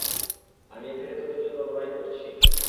আমি এখানে তোদের জন্য লড়াই করছি।